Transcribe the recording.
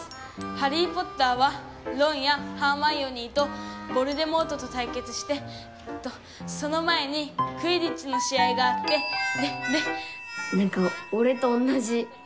『ハリー・ポッター』はロンやハーマイオニーとヴォルデモートとたいけつしてえっとその前にクィディッチの試合があってでで」。